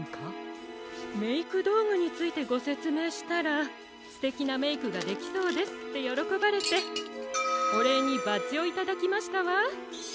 メイクどうぐについてごせつめいしたら「すてきなメイクができそうです」ってよろこばれておれいにバッジをいただきましたわ。